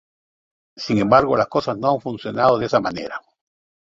Sin embargo, las cosas no han funcionado de esa manera.